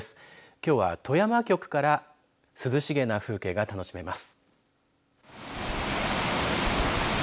きょうは富山局から涼しげな風景が楽しめます。